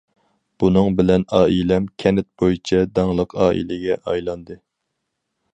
بۇنىڭ بىلەن ئائىلەم كەنت بويىچە داڭلىق ئائىلىگە ئايلاندى.